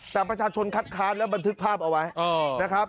แต่ประชาชนคัดค้านและบันทึกภาพเอาไว้นะครับ